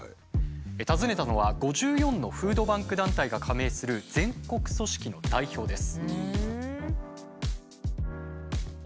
訪ねたのは５４のフードバンク団体が加盟する全国組織の代表です。